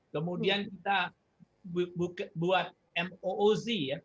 kemudian kita buat mooc ya